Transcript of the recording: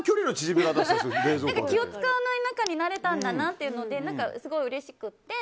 気を使わない仲になれたんだなってのですごいうれしくて。